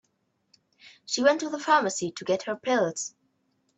She went to the pharmacy to get her pills.